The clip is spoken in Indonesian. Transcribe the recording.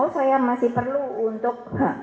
oh saya masih perlu untuk